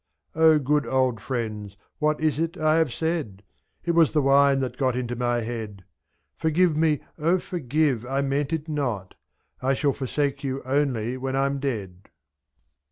good old friends, what is it I have said ? It was the wine that got into my head — SI. Forgive me, O forgive, I meant it not, 1 shall forsake you only when Fm dead.